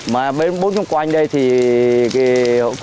mà bên bốn xung quanh đây thì cũng không ảnh hưởng gì cả